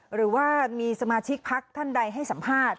หรือว่ามีสมาชิกพักท่านใดให้สัมภาษณ์